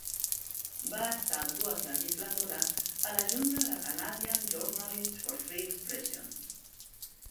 Va estar dues legislatures a la junta de Canadian Journalists for Free Expression.